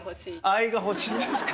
愛が欲しいんですか。